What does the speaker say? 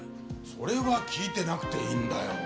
それは聞いてなくていいんだよ。